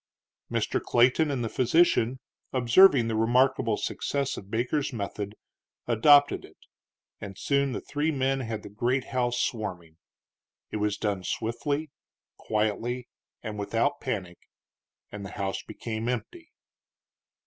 Mr. Clayton and the physician, observing the remarkable success of Baker's method, adopted it, and soon the three men had the great house swarming. It was done swiftly, quietly, and without panic, and the house became empty.